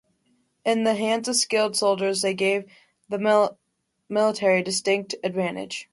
In the hands of skilled soldiers, they gave the military a distinct advantage.